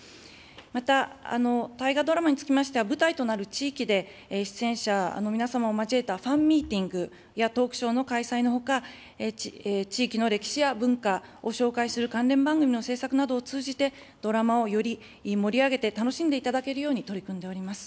また、大河ドラマにつきましては、舞台となる地域で、出演者の皆様も交えたファンミーティングやトークショーの開催のほか、地域の歴史や文化を紹介する関連番組の制作などを通じて、ドラマをより盛り上げて、楽しんでいただけるように取り組んでおります。